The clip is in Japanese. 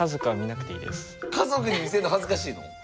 家族に見せるの恥ずかしいの？